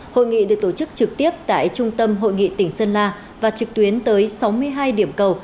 hội nghị được tổ chức trực tiếp tại trung tâm hội nghị tỉnh sơn la và trực tuyến tới sáu mươi hai điểm cầu